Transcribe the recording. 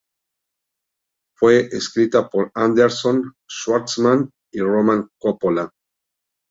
Fue escrita por Anderson, Schwartzman y Roman Coppola.